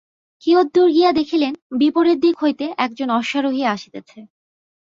কিয়দ্দূর গিয়া দেখিলেন, বিপরীত দিক হইতে একজন অশ্বারােহী আসিতেছে।